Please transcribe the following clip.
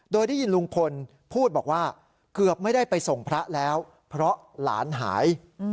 โดยได้ยินลุงพลพูดบอกว่าเกือบไม่ได้ไปส่งพระแล้วเพราะหลานหาย